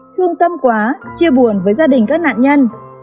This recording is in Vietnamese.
thương tâm quá chia buồn với gia đình các nạn nhân